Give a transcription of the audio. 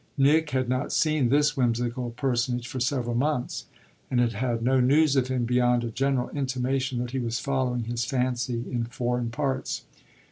Nick had not seen this whimsical personage for several months, and had had no news of him beyond a general intimation that he was following his fancy in foreign parts.